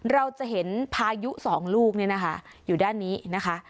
เราจะเห็นพายุสองลูกเนี่ยนะคะอยู่ด้านนี้นะคะ